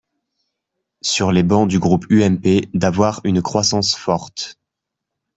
sur les bancs du groupe UMP, d’avoir une croissance forte.